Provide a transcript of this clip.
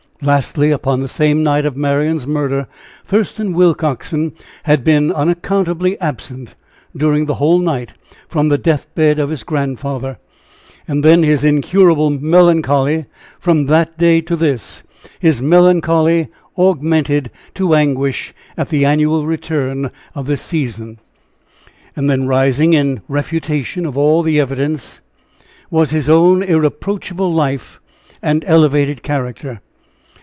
Lastly, upon the same night of Marian's murder, Thurston Willcoxen had been unaccountably absent, during the whole night, from the deathbed of his grandfather. And then his incurable melancholy from that day to this his melancholy augmented to anguish at the annual return of this season. And then rising, in refutation of all this evidence, was his own irreproachable life and elevated character.